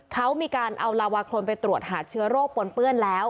เขามีการเอาลาวาโครนไปตรวจหาเชื้อโรคปนเปื้อนแล้ว